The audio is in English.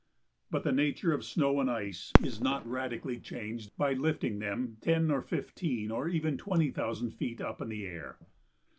But the nature of snow and ice is not radically changed by lifting them ten or fifteen or even twenty thousand feet up in the air.